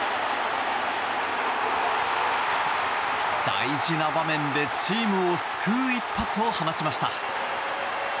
大事な場面でチームを救う一発を放ちました。